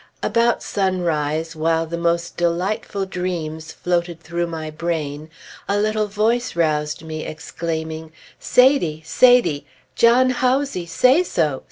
About sunrise, while the most delightful dreams floated through my brain, a little voice roused me exclaiming, "Sady! Sady! John Hawsey say so!